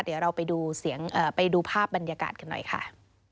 เดี๋ยวเราไปดูภาพบรรยากาศกันหน่อยค่ะ